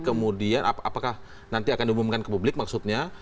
kemudian apakah nanti akan diumumkan ke publik maksudnya